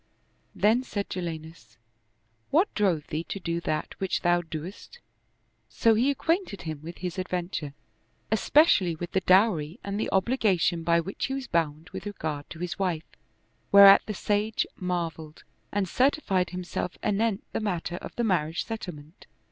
Then said Jalinus, " What drove thee to do that which thou dost?" So he acquainted him with his adventure, especially with the dowry and the obliga tion by which he was bound with regard to his wife, whereat the sage marveled and certified himself anent the matter of the marriage settlement.